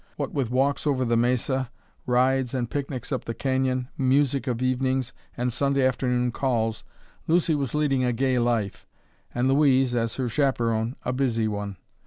What with walks over the mesa, rides and picnics up the canyon, music of evenings, and Sunday afternoon calls, Lucy was leading a gay life, and Louise, as her chaperon, a busy one.